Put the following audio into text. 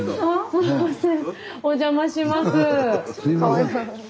すいません